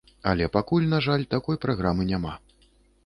Але пакуль, на жаль, такой праграмы няма.